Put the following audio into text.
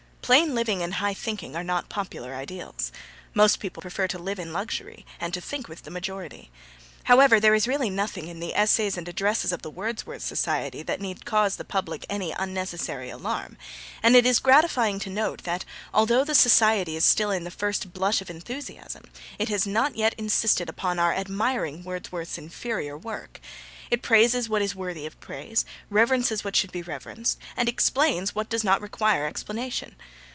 'Plain living and high thinking' are not popular ideals. Most people prefer to live in luxury, and to think with the majority. However, there is really nothing in the essays and addresses of the Wordsworth Society that need cause the public any unnecessary alarm; and it is gratifying to note that, although the society is still in the first blush of enthusiasm, it has not yet insisted upon our admiring Wordsworth's inferior work. It praises what is worthy of praise, reverences what should be reverenced, and explains what does not require explanation.